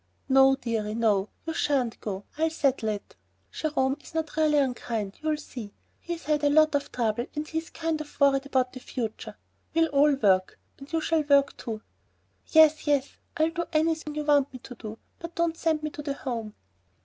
"No, dearie, no, you shan't go. I'll settle it. Jerome is not really unkind, you'll see. He's had a lot of trouble and he is kind of worried about the future. We'll all work, you shall work, too." "Yes, yes, I'll do anything you want me to do, but don't send me to the Home."